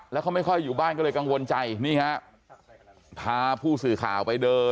แล้วเขาไม่ค่อยอยู่บ้านก็เลยกังวลใจนี่ฮะพาผู้สื่อข่าวไปเดิน